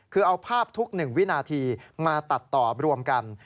คือเอาภาพทุก๑วินาทีมาตัดต่อรวมกัน